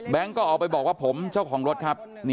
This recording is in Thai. ก็ออกไปบอกว่าผมเจ้าของรถครับ